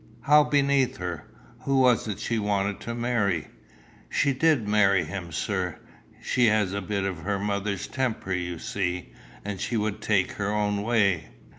"How beneath her? Who was it she wanted to marry?" "She did marry him, sir. She has a bit of her mother's temper, you see, and she would take her own way."